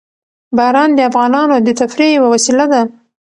باران د افغانانو د تفریح یوه وسیله ده.